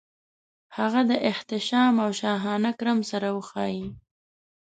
هغه د احتشام او شاهانه کرم سره وښايي.